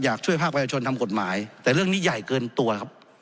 อยากช่วยภาคประชาชนทำกฎหมายแต่เรื่องนี้ใหญ่เกินตัวครับ